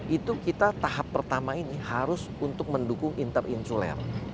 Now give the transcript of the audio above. itu kita tahap pertama ini harus untuk mendukung interinsuler